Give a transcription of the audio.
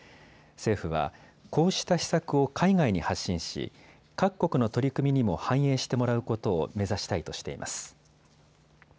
政府はこうした施策を海外に発信し各国の取り組みにも反映してもらうことを目指したいとしています。